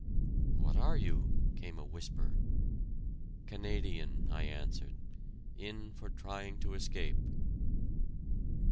"What are you?" came a whisper. "Canadian," I answered; "in for trying to escape."